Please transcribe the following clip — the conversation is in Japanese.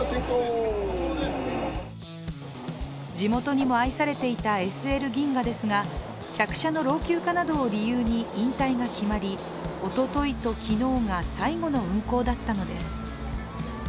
地元にも愛されていたＳＬ銀河ですが、客車の老朽化などを理由に引退が決まりおとといと昨日が、最後の運行だったのです。